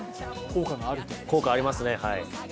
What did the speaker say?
効果ありますね。